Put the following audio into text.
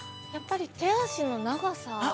やっぱり手足の長さ。